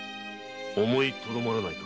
思いとどまらないか？